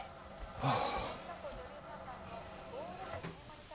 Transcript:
ああ。